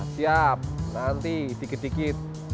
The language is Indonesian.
siap nanti dikit dikit